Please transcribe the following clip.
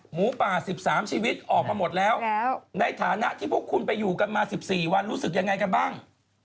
หมูป่า๑๓ชีวิตออกมาหมดแล้วในฐานะที่พวกคุณไปอยู่กันมา๑๔วันรู้สึกยังไงกันบ้าง